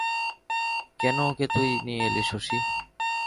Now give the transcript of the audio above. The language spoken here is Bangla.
কেন ওকে তুই নিয়ে এলি শশী!